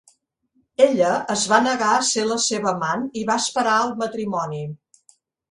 Ella es va negar a ser la seva amant i va esperar al matrimoni.